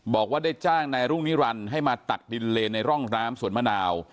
บอกว่าได้จ้างนายรุ่งนิรันดิ์ให้มาตักดินเลนในร่องน้ำสวนมะนาว